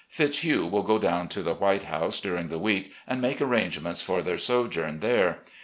Fitzhugh will go down to the White House during the week and make arrangements for their sojourn there.